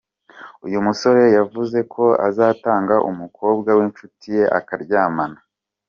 Uyu musore yavuze ko azatanga umukobwa wincuti ye akaryamana.